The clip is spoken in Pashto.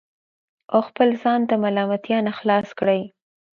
او خپل ځان د ملامتیا نه خلاص کړي